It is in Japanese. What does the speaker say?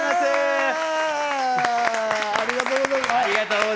ありがとうございます。